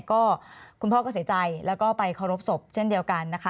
ก็คุณพ่อก็เสียใจแล้วก็ไปเคารพศพเช่นเดียวกันนะคะ